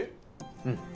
うん！